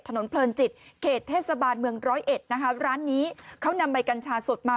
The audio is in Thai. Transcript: เพลินจิตเขตเทศบาลเมืองร้อยเอ็ดนะคะร้านนี้เขานำใบกัญชาสดมา